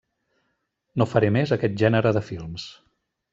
No faré més aquest gènere de films.